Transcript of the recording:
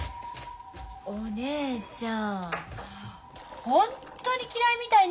お姉ちゃんホントに嫌いみたいね